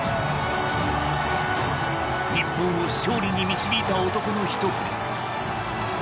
日本を勝利に導いた男のひと振り。